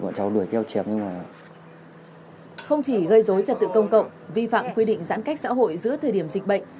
nhưng cũng gây rối trật tự công cộng vi phạm quy định giãn cách xã hội giữa thời điểm dịch bệnh